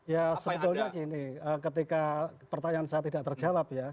ya sebetulnya gini ketika pertanyaan saya tidak terjawab ya